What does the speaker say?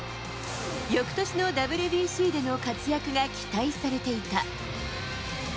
よくとしのＷＢＣでの活躍が期待されていた。